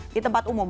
di tempat umum